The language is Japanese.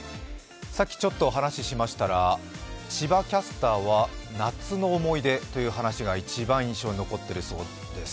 さっきちょっと話をしましたら、千葉キャスターは「夏の思い出」という話が一番印象に残っているそうです。